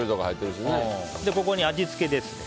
ここに味付けですね。